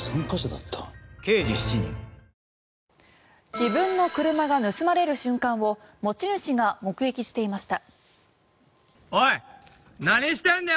自分の車が盗まれる瞬間を持ち主が目撃していました。